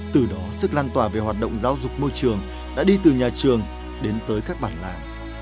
từ đó sức lan tỏa về hoạt động giáo dục môi trường đã đi từ nhà trường đến tới các bản làng